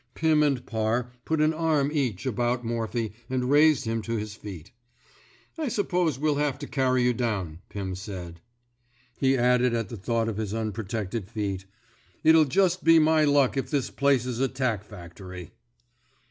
Pirn and Parr put an arm each about Morphy, and raised him to his feet. I s'pose we'll have to carry you down,*' Pirn said. He added^ at thought of his unprotected feet: It'll just be my luck if this place's a tack factory.''